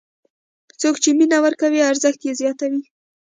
څوک چې مینه ورکوي، ارزښت یې زیاتوي.